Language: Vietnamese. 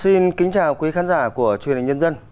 xin kính chào quý khán giả của truyền hình nhân dân